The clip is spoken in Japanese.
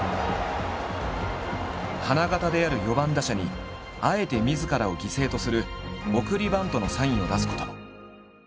花形である４番打者にあえてみずからを犠牲とする送りバントのサインを出すことも。